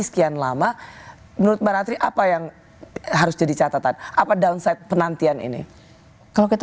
sekian lama menurut mbak ratri apa yang harus jadi catatan apa downside penantian ini kalau kita